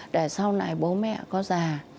để sau này bố mẹ có già